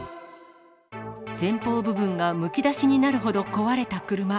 前方部分がむき出しになるほど壊れた車。